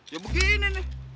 ya begini nih